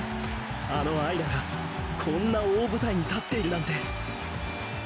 あのあいらがこんな大舞台に立っているなんて。